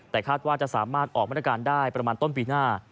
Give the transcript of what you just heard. แต่คาดว่าจะสามารถออกมาตรการได้ประมาณต้นปีหน้า